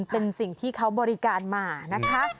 เป็นสิ่งที่เขาบริการมานะคะ